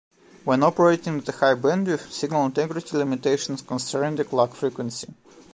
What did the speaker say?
When operating at a high bandwidth, signal integrity limitations constrain the clock frequency.